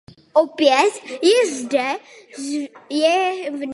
Opět je zde zjevný nedostatek solidarity a příliš mnoho váhání.